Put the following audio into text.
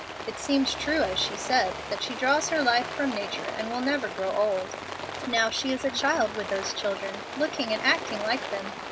It seems true, as she said, that she draws her life from nature and will never grow old. Now she is a child with those children, looking and acting like them.